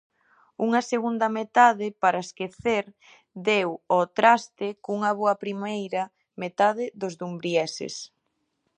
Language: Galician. Unha segunda metade para esquecer deu ao traste cunha boa primeira metade dos dumbrieses.